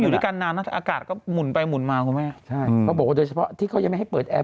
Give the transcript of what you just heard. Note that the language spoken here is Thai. นานมีอากาศก็หมุนไปหมุนมาคุณแม่เค้าบอกโดยเฉพาะที่เขายังไม่ให้เปิดแอร์